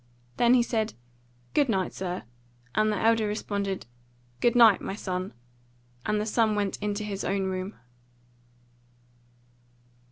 Then he said, "Good night, sir," and the elder responded, "Good night, my son," and the son went to his own room.